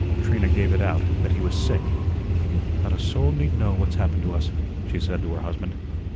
Trina gave it out that he was sick. "Not a soul need know what's happened to us," she said to her husband.